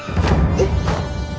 えっ？